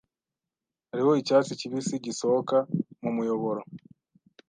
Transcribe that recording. Hariho icyatsi kibisi gisohoka mu muyoboro.